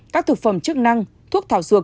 các thực phẩm chức năng thuốc thảo dược